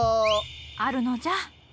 あるのじゃ。